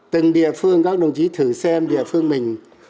từng địa phương các đồng chí thử xem địa phương mình